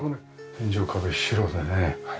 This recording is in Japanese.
天井壁白でね。